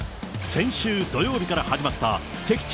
先週土曜日から始まった敵地